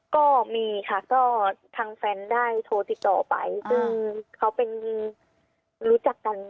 ก็มีค่ะก็ทางแฟนได้โทรติดต่อไปซึ่งเขาเป็นรู้จักกัน